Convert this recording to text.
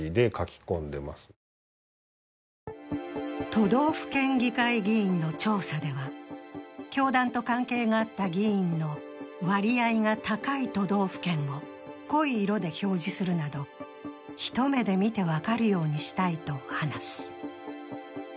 都道府県議会議員の調査では、教団と関係があった議員の割合が高い都道府県を濃い色で表示するなど一目で見て分かるようにしたいと話す。